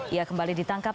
ia kembali ditangkap